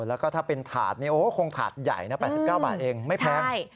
แล้วก็ถ้าเป็นถาดคงถาดใหญ่นะ๘๙บาทเองไม่แพง